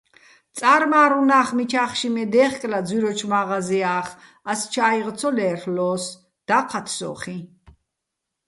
წა́რმა́რ უ̂ნა́ხ-მიჩა́ხში მე დე́ხკლა ძვიროჩო̆ მა́ღაზია́ხ, ას ჩა́იღ ცო ლერლ'ო́ს, და́ჴათ სო́ხიჼ.